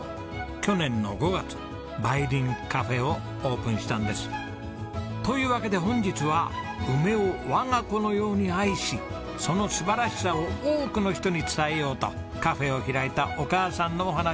去年の５月梅凛ｃａｆｆｅをオープンしたんです！というわけで本日は梅を我が子のように愛しその素晴らしさを多くの人に伝えようとカフェを開いたお母さんのお話です！